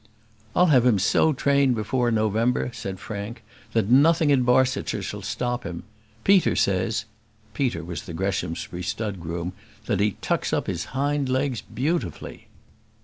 "I'll have him so trained before November," said Frank, "that nothing in Barsetshire shall stop him. Peter says" Peter was the Greshamsbury stud groom "that he tucks up his hind legs beautifully."